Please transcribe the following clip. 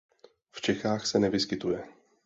V Čechách se nevyskytuje.